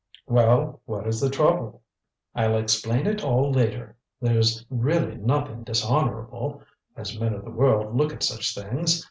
"Well, what is the trouble?" "I'll explain it all later. There's really nothing dishonorable as men of the world look at such things.